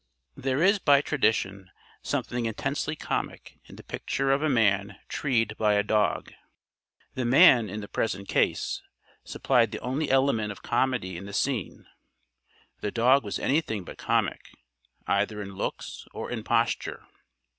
There is, by tradition, something intensely comic in the picture of a man treed by a dog. The man, in the present case, supplied the only element of comedy in the scene. The dog was anything but comic, either in looks or in posture.